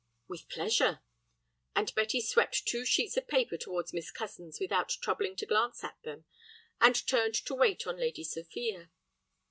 "With pleasure." And Betty swept two sheets of paper towards Miss Cozens without troubling to glance at them, and turned to wait on Lady Sophia.